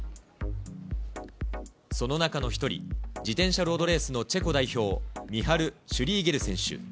その中の１人、自転車ロードレースのチェコ代表、ミハル・シュリーゲル選手。